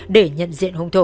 để nhận diện hùng thủ